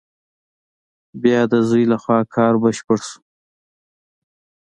بیا یې د زوی له خوا کار بشپړ شو.